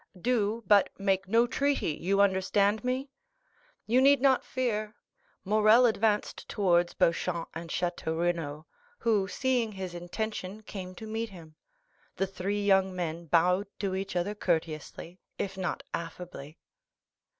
"Do; but make no treaty—you understand me?" "You need not fear." Morrel advanced towards Beauchamp and Château Renaud, who, seeing his intention, came to meet him. The three young men bowed to each other courteously, if not affably.